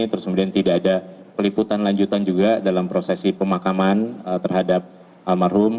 terus kemudian tidak ada peliputan lanjutan juga dalam prosesi pemakaman terhadap almarhum